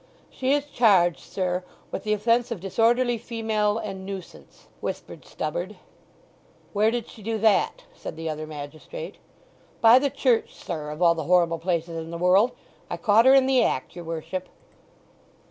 "She is charged, sir, with the offence of disorderly female and nuisance," whispered Stubberd. "Where did she do that?" said the other magistrate. "By the church, sir, of all the horrible places in the world!—I caught her in the act, your worship."